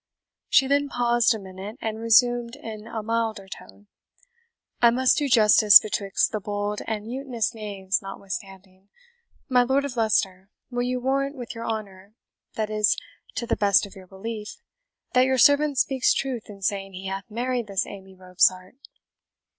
She then paused a minute, and resumed in a milder tone, "I must do justice betwixt the bold and mutinous knaves notwithstanding. My Lord of Leicester, will you warrant with your honour that is, to the best of your belief that your servant speaks truth in saying he hath married this Amy Robsart?"